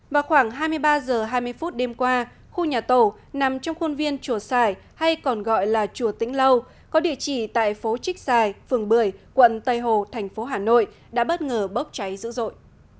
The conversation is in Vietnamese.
vào khoảng hai mươi ba h hai mươi phút đêm qua khu nhà tổ nằm trong khuôn viên chùa sải hay còn gọi là chùa tĩnh lâu có địa chỉ tại phố trích xài phường bưởi quận tây hồ thành phố hà nội đã bất ngờ bốc cháy dữ dội